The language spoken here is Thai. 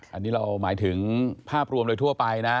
อันนี้เราหมายถึงภาพรวมโดยทั่วไปนะ